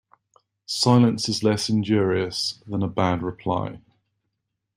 Silence is less injurious than a bad reply.